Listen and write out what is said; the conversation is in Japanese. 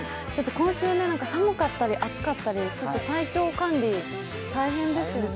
今週、寒かったり暑かったり体調管理、大変ですよね。